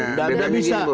beda begini bos